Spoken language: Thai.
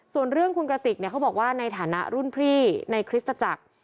ส่วนเรื่องคุณกระติกเนี่ยเขาบอกว่าในฐานะรุ่นพี่ในคริสตจักร